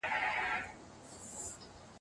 مار پر ږغ کړل ویل اې خواره دهقانه